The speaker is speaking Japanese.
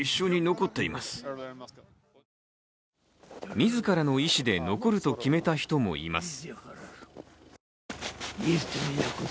自らの意思で残ると決めた人もいます。